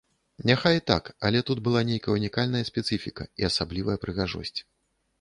Няхай і так, але тут была нейкая ўнікальная спецыфіка і асаблівая прыгажосць.